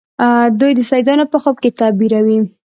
دوی د سیدانو په خوب کې تعبیروي.